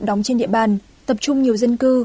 đóng trên địa bàn tập trung nhiều dân cư